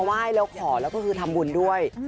ไหว้แล้วขอแล้วก็คือทำบุญด้วย